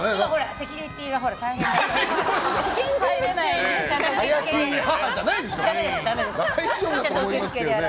セキュリティーが大変だから。